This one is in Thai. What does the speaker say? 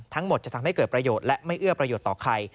ทั้งหมดจะทำให้เกิดประโยชน์และไม่เอื้อประโยชน์ต่อใคร